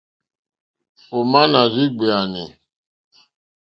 Ò má nà rzéyé ɡbèànè.